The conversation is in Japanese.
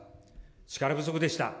力不足でした。